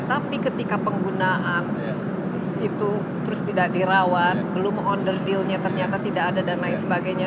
tapi ketika penggunaan itu terus tidak dirawat belum onder dealnya ternyata tidak ada dan lain sebagainya